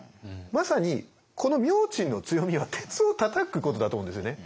まさにこの明珍の強みは鉄をたたくことだと思うんですよね。